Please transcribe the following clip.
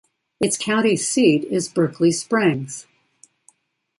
Its county seat is Berkeley Springs.